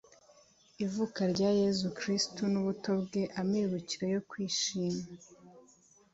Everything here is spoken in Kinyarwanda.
ivuka rya yezu kristu n’ubuto bwe ,amibukiro yo kwishima